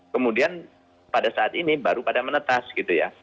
kemudian pada saat ini baru pada menetas gitu ya